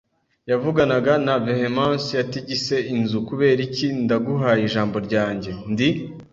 yavuganaga na vehemence yatigise inzu. “Kubera iki, ndaguhaye ijambo ryanjye, ndi